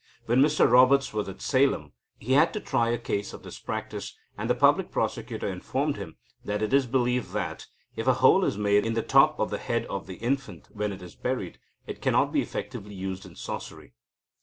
When Mr Roberts was at Salem, he had to try a case of this practice, and the Public Prosecutor informed him that it is believed that, if a hole is made in the top of the head of the infant when it is buried, it cannot be effectively used in sorcery.